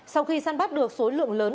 sau khi săn bắt được số lượng lớn